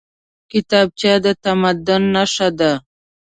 کتابچه د تمدن نښه ده